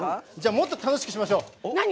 もっと楽しくしましょう！